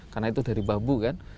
karena itu dari bambu kan